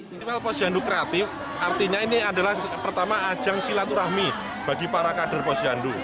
festival posyandu kreatif artinya ini adalah pertama ajang silaturahmi bagi para kader posyandu